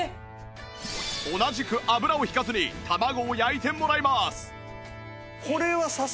同じく油を引かずに卵を焼いてもらいます